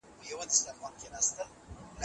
هغه په ځواب کې ځنډ کوي.